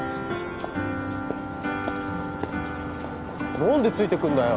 何でついてくんだよ